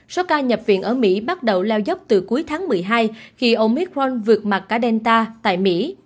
số ca nhập viện ở mỹ bắt đầu leo dốc từ cuối tháng một mươi hai khi omicron vượt mặt cadenza tại mỹ